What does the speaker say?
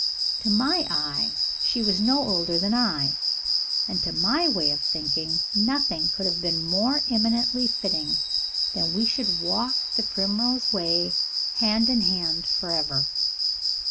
To my eye she was no older than I, and to my way of thinking nothing could have been more eminently fitting than that we should walk the Primrose Way hand in hand forever.